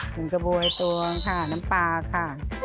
ถึงกระบวยตัวค่ะน้ำปลาค่ะ